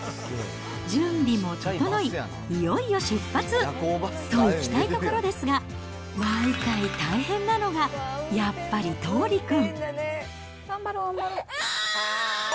準備も整い、いよいよ出発、といきたいところですが、毎回、大変なのがやっぱり桃琉くん。